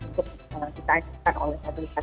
untuk ditanyakan oleh majelis agen